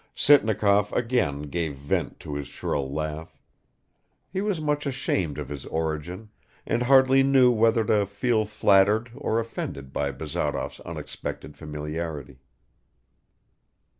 Sitnikov again gave vent to his shrill laugh. He was much ashamed of his origin, and hardly knew whether to feel flattered or offended by Bazarov's unexpected familiarity.